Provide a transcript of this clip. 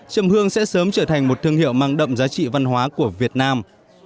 chầm hương sẽ sớm trở thành một thương hiệu mang đậm giá trị văn hóa của việt nam